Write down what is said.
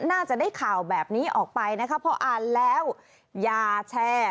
น่าจะได้ข่าวแบบนี้ออกไปนะคะพออ่านแล้วอย่าแชร์